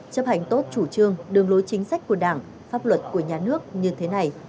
chấp hành tốt chủ trương đường lối chính sách của đảng pháp luật của nhà nước như thế này